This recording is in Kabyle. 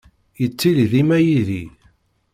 Yettili dima yid-i.